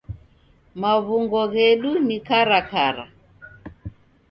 Maw'ungo ghedu ni karakara.